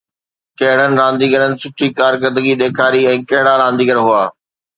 ڪهڙن رانديگرن سٺي ڪارڪردگي ڏيکاري ۽ ڪهڙا رانديگر هئا؟